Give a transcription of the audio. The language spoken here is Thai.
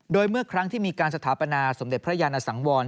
โดยเมื่อครั้งที่มีการสถาปนาสมเด็จพระยานสังวร